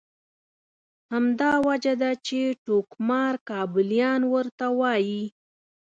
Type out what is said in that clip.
همدا وجه ده چې ټوکمار کابلیان ورته وایي.